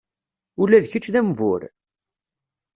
Ula d kečč d ambur?